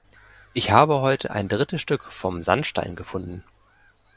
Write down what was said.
Ich habe heute ein drittes Stück vom Sandstein gefunden.